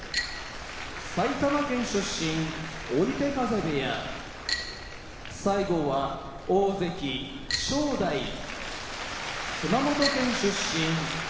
埼玉県出身追手風部屋大関・正代熊本県出身時津風